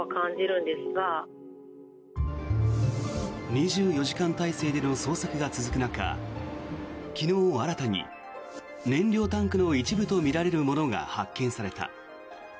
２４時間態勢での捜索が続く中昨日新たに燃料タンクの一部とみられるものが発見された。